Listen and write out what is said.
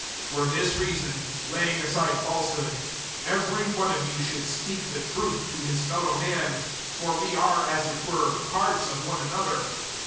004:025 For this reason, laying aside falsehood, every one of you should speak the truth to his fellow man; for we are, as it were, parts of one another.